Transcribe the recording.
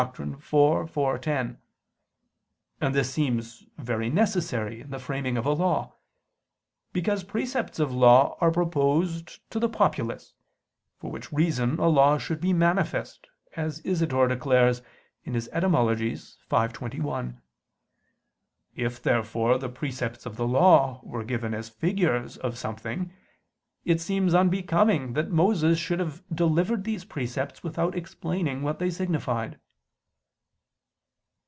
iv, 4, 10) and this seems very necessary in the framing of a law: because precepts of law are proposed to the populace; for which reason a law should be manifest, as Isidore declares (Etym. v, 21). If therefore the precepts of the Law were given as figures of something, it seems unbecoming that Moses should have delivered these precepts without explaining what they signified.